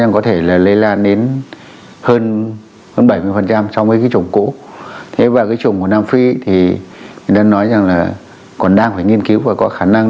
ạ à chị bà cái chồng của nam phi thì anh hoa là còn đang nghiên cứu vào có khả năng